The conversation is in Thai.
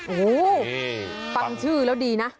โอ้โหฟังชื่อแล้วดีนะ